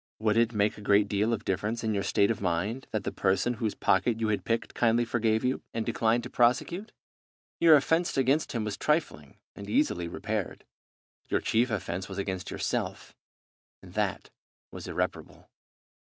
Would it make a great deal of difference in your state of mind that the person whose pocket you had picked kindly forgave you, and declined to prosecute? Your offence against him was trifling, and easily repaired. Your chief offence was against yourself, and that was irreparable.